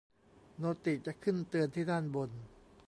โนติจะขึ้นเตือนที่ด้านบน